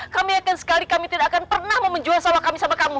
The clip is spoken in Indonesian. kami yakin sekali kami tidak akan pernah mau menjual sawah kami sama kamu